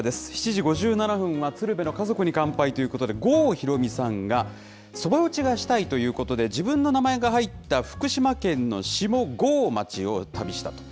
７時５７分は鶴瓶の家族に乾杯ということで、郷ひろみさんがそば打ちがしたいということで、自分の名前が入った福島県の下郷町を旅したと。